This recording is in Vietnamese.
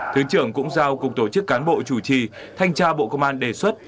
thứ trưởng cũng giao cục tổ chức cán bộ chủ trì thanh tra bộ công an đề xuất